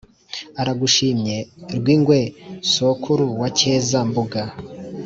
aragushimye rwingwe sokuru wa cyeza-mbuga